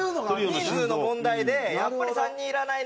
人数の問題で「やっぱり３人いらないな」